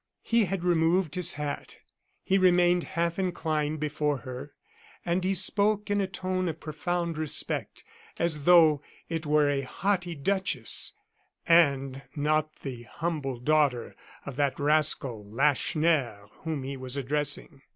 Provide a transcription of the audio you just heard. He had removed his hat, he remained half inclined before her, and he spoke in a tone of profound respect, as though it were a haughty duchess, and not the humble daughter of that "rascal" Lacheneur whom he was addressing.